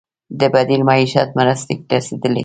د بدیل معیشت مرستې رسیدلي؟